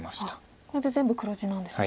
これで全部黒地なんですね。